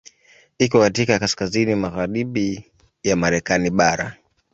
Iko katika kaskazini magharibi ya Marekani bara.